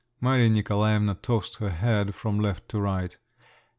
Maria Nikolaevna tossed her head from left to right.